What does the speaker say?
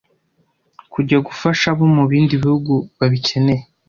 kujya gufasha abo mu bindi bihugu babikeneye.